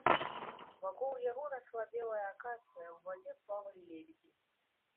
Вакол яго расла белая акацыя, у вадзе плавалі лебедзі.